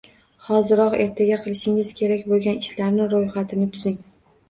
Hoziroq ertaga qilishingiz kerak bo’lgan ishlar ro’yxatini tuzing